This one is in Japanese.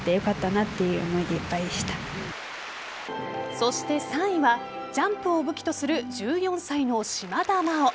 そして３位はジャンプを武器とする１４歳の島田麻央。